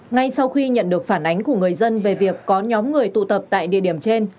ngay sau khi nhận được phản ánh của người dân về việc có nhóm người tụ tập tại địa điểm trên